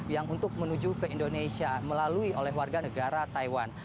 yang untuk menuju ke indonesia melalui oleh warga negara taiwan